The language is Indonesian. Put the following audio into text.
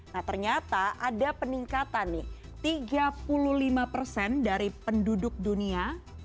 nah ternyata ada peningkatan nih tiga puluh lima persen dari penduduk dunia